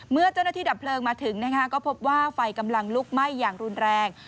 เมื่อเจ้าหน้าที่ดับเพลิงมาถึงก็พบว่าไฟกำลังลุกไหม้อย่างรุนแรง